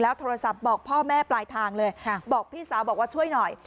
โทรศัพท์บอกพ่อแม่ปลายทางเลยบอกพี่สาวบอกว่าช่วยหน่อย